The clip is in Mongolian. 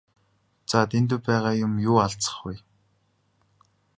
За Дэндэв байгаа юм юу алзах вэ?